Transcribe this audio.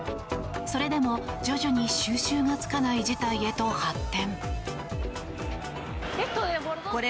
それでも徐々に収拾がつかない事態へと発展。